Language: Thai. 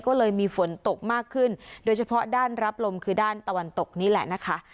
ก็เลยมีฝนตกมากขึ้นโดยเฉพาะด้านรับลมคือด้านตะวันตกนี่แหละนะคะ